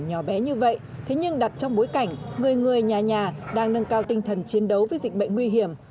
nhỏ bé như vậy thế nhưng đặt trong bối cảnh người người nhà nhà đang nâng cao tinh thần chiến đấu với dịch bệnh nguy hiểm